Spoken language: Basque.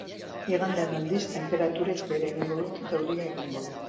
Igandean, aldiz, tenperaturek behera egingo dute eta euria egingo du.